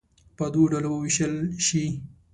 په دوو ډلو ووېشل شي.